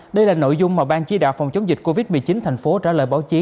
đây là nội dung mà ban chỉ đạo phòng chống dịch covid một mươi chín thành phố trả lời báo chí